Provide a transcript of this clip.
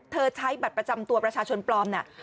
ใช้บัตรประจำตัวประชาชนปลอมเนี่ย